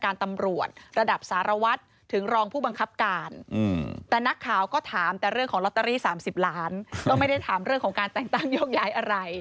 ตำรวจระดับสารวัตรถึงรองผู้บังคับการแต่นักข่าวก็ถามแต่เรื่องของลอตเตอรี่๓๐ล้านก็ไม่ได้ถามเรื่องของการแต่งตั้งโยกย้ายอะไร